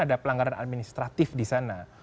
ada pelanggaran administratif di sana